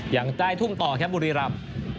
อย่างใจทุ่มต่อครับบุรีรับ